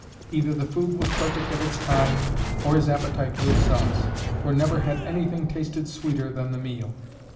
Either the food was perfect of its kind or his appetite good sauce, for never had anything tasted sweeter than the meal.